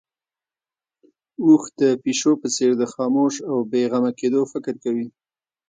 اوښ د پيشو په څېر د خاموش او بې غمه کېدو فکر کوي.